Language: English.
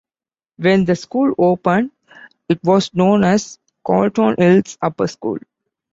When the school opened it was known as Colton Hills Upper School.